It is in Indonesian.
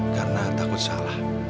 karena takut salah